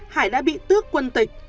hải đã bị tước quân tịch